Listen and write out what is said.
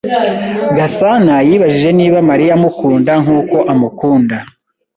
Gasana yibajije niba Mariya amukunda nkuko amukunda.